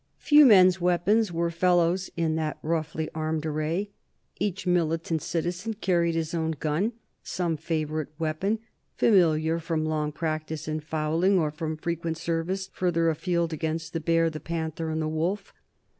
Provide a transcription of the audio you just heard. Few men's weapons were fellows in that roughly armed array. Each militant citizen carried his own gun, some favorite weapon, familiar from long practice in fowling, or from frequent service further afield against the bear, the panther, and the wolf.